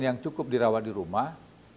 yang cukup dirawat di rumah